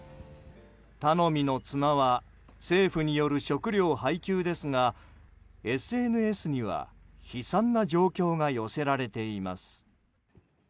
頼みの綱は政府による食料配給ですがＳＮＳには悲惨な状況が寄せられています。